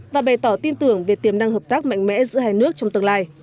và bày tỏ tin tưởng về tiềm năng hợp tác mạnh mẽ giữa hai nước trong tương lai